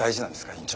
院長。